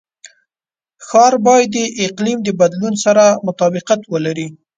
ښار باید د اقلیم د بدلون سره مطابقت ولري.